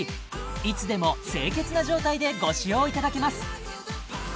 いつでも清潔な状態でご使用いただけます